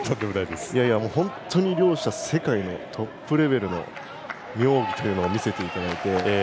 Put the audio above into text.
本当に両者世界のトップレベルの妙技というのを見せていただいて。